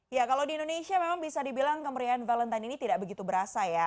ya kalau di indonesia memang bisa dibilang kemerian valentine ini tidak begitu berasa ya